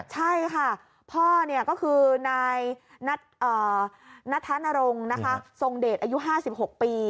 ใช่ค่ะพ่อก็คือนายนัทนรงค์นะคะทรงเดชอายุ๕๖ปี